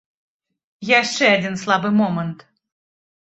Яшчэ адзін слабы момант.